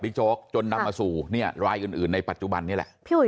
โจ๊กจนนำมาสู่เนี่ยรายอื่นในปัจจุบันนี้แหละพี่อุ๋